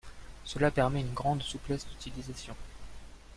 Cela permet une grande souplesse d’utilisation.